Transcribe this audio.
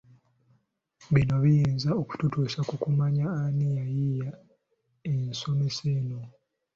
Bino biyinza okututuusa ku kumanya ani yayiiya ensomesa eno.